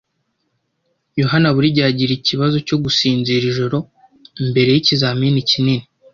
yohani buri gihe agira ikibazo cyo gusinzira ijoro mbere yikizamini kinini.